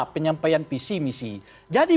penyampaian visi misi jadi